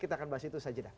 kita akan bahas itu saja dah